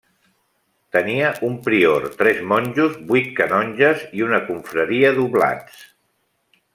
Tenia un prior, tres monjos, vuit canonges i una confraria d'oblats.